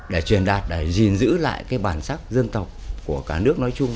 để truyền đạt để gìn giữ lại cái bản sắc dân tộc của cả nước nói chung